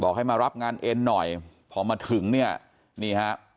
ให้มารับงานเอ็นหน่อยพอมาถึงเนี่ยนี่ฮะ